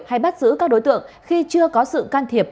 hay bắt giữ các đối tượng khi chưa có sự can thiệp